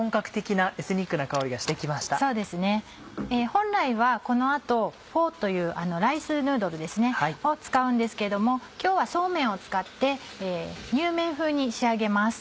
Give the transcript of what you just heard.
本来はこの後フォーというライスヌードルですね使うんですけれども今日はそうめんを使ってにゅうめん風に仕上げます。